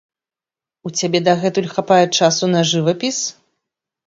У цябе дагэтуль хапае часу на жывапіс?